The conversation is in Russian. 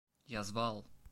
Я звал!